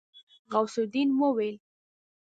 غوث الدين وويل.